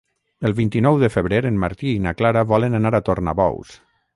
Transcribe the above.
El vint-i-nou de febrer en Martí i na Clara volen anar a Tornabous.